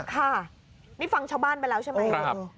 ค่ะนี่ฟังชาวบ้านไปแล้วใช่ไหม